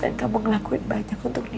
dan kamu ngelakuin banyak untuk nindi